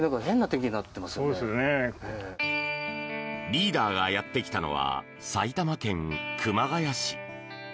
リーダーがやってきたのは埼玉県熊谷市。